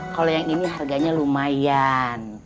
kalau yang ini harganya lumayan